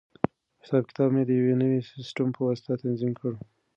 حساب کتاب مې د یوې نوې سیسټم په واسطه تنظیم کړ.